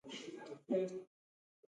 قلم د ښو روحونو ځانګړنه ده